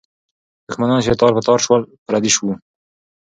دښمنان چې تار په تار سول، پردي وو.